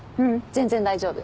全然大丈夫。